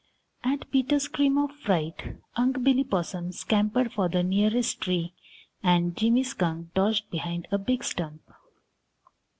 At Peter's scream of fright, Unc' Billy Possum scampered for the nearest tree, and Jimmy Skunk dodged behind a big stump.